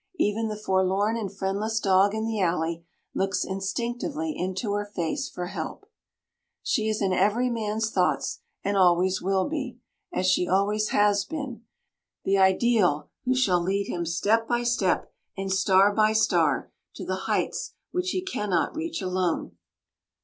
Even the forlorn and friendless dog in the alley looks instinctively into her face for help. She is in every man's thoughts and always will be, as she always has been the ideal who shall lead him step by step, and star by star, to the heights which he cannot reach alone.